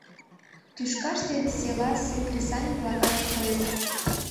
Тӱшкаште селасе кресаньык-влакат койыт.